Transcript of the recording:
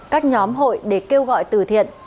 các nhóm hội để kêu gọi từ thiện